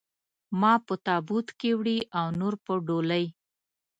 ما په تابوت کې وړي او نور په ډولۍ.